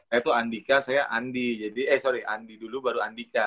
saya tuh andika saya andi jadi eh sorry andi dulu baru andika